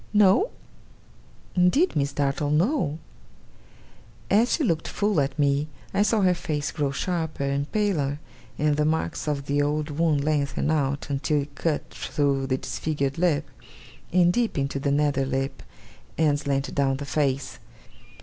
'No?' 'Indeed, Miss Dartle, no!' As she looked full at me, I saw her face grow sharper and paler, and the marks of the old wound lengthen out until it cut through the disfigured lip, and deep into the nether lip, and slanted down the face.